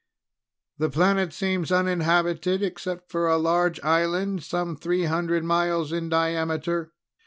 "The planet seems uninhabited except for a large island some three hundred miles in diameter.